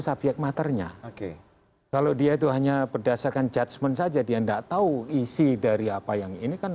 subyek maternya oke kalau dia itu hanya berdasarkan judgement saja dia enggak tahu isi dari apa yang ini kan